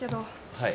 はい。